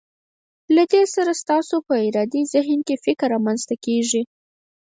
له دې سره ستاسو په ارادي ذهن کې فکر رامنځته کیږي.